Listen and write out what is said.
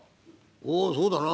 「おうそうだな。